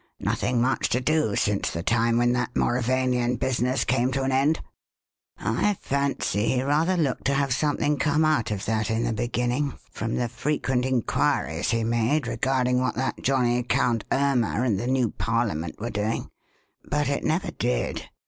Nothing much to do since the time when that Mauravanian business came to an end. I fancy he rather looked to have something come out of that in the beginning from the frequent inquiries he made regarding what that johnnie Count Irma and the new Parliament were doing; but it never did.